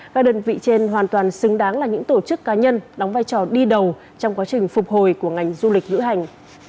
các đơn vị trên hoàn toàn xứng đáng là những tổ chức cá nhân đóng vai trò đi đầu trong quá trình phục hồi của ngành du lịch lữ hành